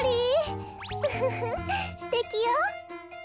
ウフフすてきよ。